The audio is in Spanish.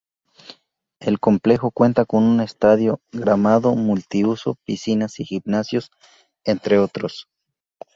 El complejo cuenta con un estadio gramado multiuso, piscinas y gimnasios, entre otros.